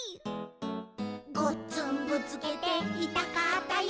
「ごっつんぶつけていたかったよね」